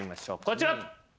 こちら。